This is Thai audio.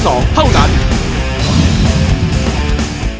โปรดติดตามตอนต่อไป